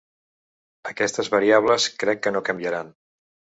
Aquestes variables crec que no canviaran.